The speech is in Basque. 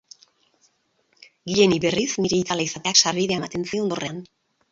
Gileni, berriz, nire itzala izateak sarbidea ematen zion dorrean.